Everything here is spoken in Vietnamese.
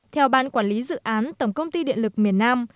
theo ban quản lý dự án tổng công ty điện lực miền nam